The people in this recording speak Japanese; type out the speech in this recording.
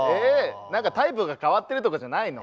何かタイプが変わってるとかじゃないの？